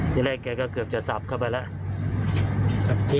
ทีแรกแกก็เกือบจะสับเข้าไปแล้ว